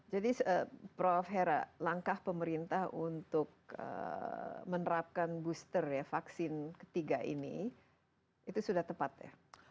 jadi prof hera langkah pemerintah untuk menerapkan booster ya vaksin ketiga ini itu sudah tepat ya